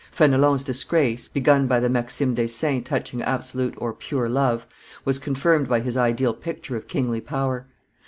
Fenelon's disgrace, begun by the Maximes des Saints touching absolute (pure) love, was confirmed by his ideal picture of kingly power.